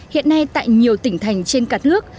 hiện nay tại nhiều tỉnh thành trên cả nước